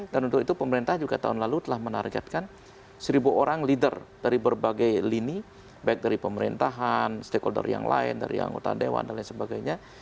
dan untuk itu pemerintah juga tahun lalu telah menargetkan seribu orang leader dari berbagai lini baik dari pemerintahan stakeholder yang lain dari anggota dewan dan lain sebagainya